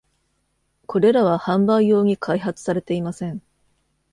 これらは販売用に開発されていません。